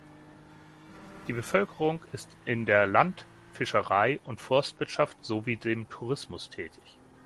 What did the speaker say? Die Bevölkerung ist in der Land-, Fischerei- und Forstwirtschaft sowie dem Tourismus tätig.